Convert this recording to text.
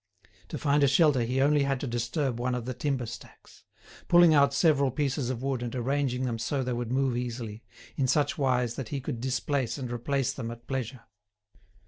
To find a shelter he only had to disturb one of the timber stacks; pulling out several pieces of wood and arranging them so that they would move easily, in such wise that he could displace and replace them at pleasure.